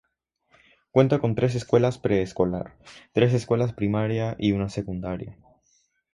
Cuenta con tres escuelas preescolar, tres escuelas primaria, y una secundaria.